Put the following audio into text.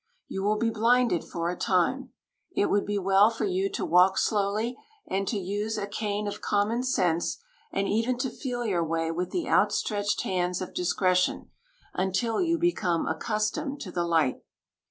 You will be blinded for a time. It would be well for you to walk slowly, and to use a cane of common sense, and even to feel your way with the outstretched hands of discretion, until you become accustomed to the light.